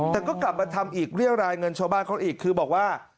แต่ก็กลับมาทำอีกเรียรายเงินชาวบ้านเขาอีกคือบอกว่า